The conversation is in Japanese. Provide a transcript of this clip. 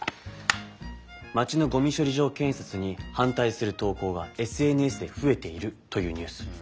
町のゴミ処理場建設に反対する投稿がＳＮＳでふえているというニュース。